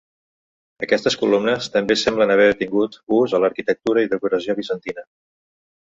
Aquestes columnes també semblen haver tingut ús a l'arquitectura i decoració bizantina.